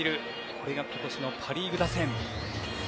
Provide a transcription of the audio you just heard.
これが今年のパ・リーグ打線。